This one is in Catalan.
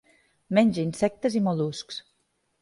Menja insectes i mol·luscs.